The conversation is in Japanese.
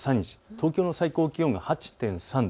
東京の最高気温が８．３度。